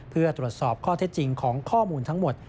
เพื่อตรวจสอบข้อเท็จจริงของข้อมูลทั้งหมด